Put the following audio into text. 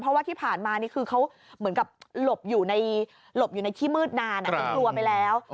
เพราะว่าที่ผ่านมานี่คือเขาเหมือนกับหลบหลบอยู่ในที่มืดนานจนกลัวไปแล้ว